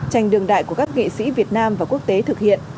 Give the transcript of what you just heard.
tranh đường đại của các nghệ sĩ việt nam và quốc tế thực hiện